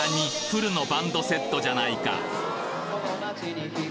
フルのバンドセットじゃないか！